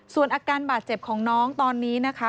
ส่วนอาการบาดเจ็บของน้องตอนนี้นะคะ